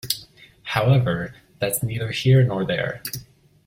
However, that’s neither here nor there.